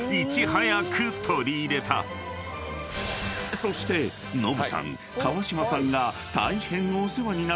［そしてノブさん川島さんが大変］